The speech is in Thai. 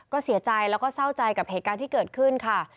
ก็เสียใจแล้วก็เศร้าใจกับเหตุการณ์ที่เกิดขึ้นค่ะ